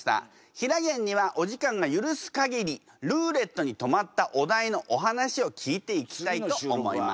ひらげんにはお時間が許す限りルーレットに止まったお題のお話を聞いていきたいと思います。